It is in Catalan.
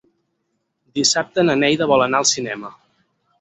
Dissabte na Neida vol anar al cinema.